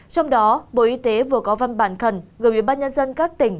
trong đó bộ y tế vừa có văn bản khẩn gửi đến bác nhân dân các tỉnh